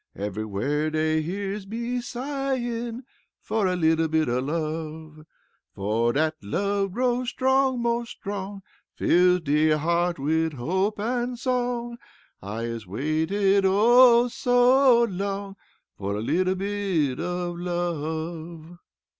Everywhar dey hears me sighin' Fer a little bit of love. Fer dat love dat grows mo' strong, Fills de heart wid hope and song, I has waited oh, so long Fer a little bit of love."